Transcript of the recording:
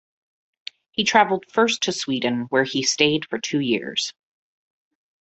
He traveled first to Sweden, where he stayed for two years.